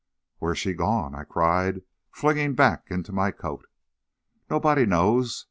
"Where's she gone?" I cried, flinging back into my coat. "Nobody knows.